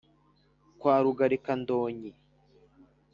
kwa rugarika-ndonyi